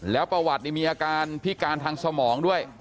แล้วประวัติมีอาการพิการทางสมองด้วย